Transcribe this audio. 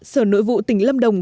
sở nội vụ tỉnh lâm đồng